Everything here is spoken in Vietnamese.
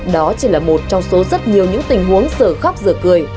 đó chỉ là một trong số rất nhiều những tình huống sở khóc giờ cười